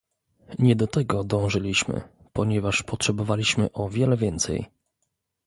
Nie do tego dążyliśmy, ponieważ potrzebowaliśmy o wiele więcej